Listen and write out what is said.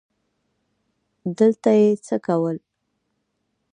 دلته یې څه کول ؟